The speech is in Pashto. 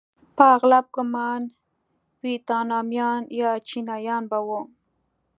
په اغلب ګومان ویتنامیان یا چینایان به وو.